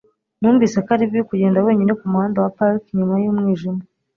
Numvise ko ari bibi kugenda wenyine ku muhanda wa Park nyuma y'umwijima